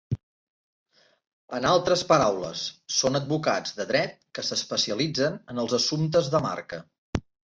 En altres paraules, són advocats de dret que s'especialitzen en els assumptes de marca.